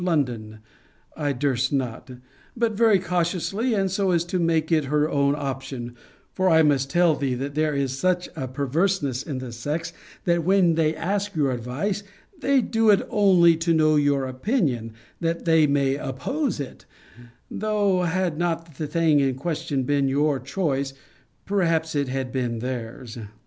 London, I durst not; but very cautiously; and so as to make it her own option: for I must tell thee, that there is such a perverseness in the sex, that when they ask your advice, they do it only to know your opinion, that they may oppose it; though, had not the thing in question been your choice, perhaps it had been theirs.